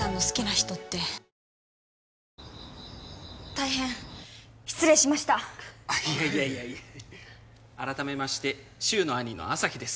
大変失礼しましたいやいやいや改めまして柊の兄の旭です